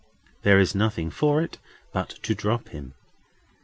There is nothing for it but to drop him.